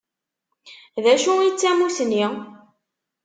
D acu i d tamusni?